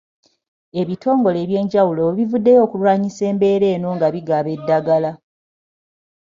Ebitongole eby'enjawulo bivuddeyo okulwanyisa embeera eno nga bigaba eddagala